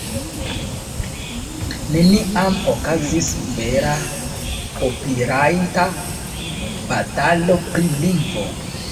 Neniam okazis vera kopirajta batalo pri lingvo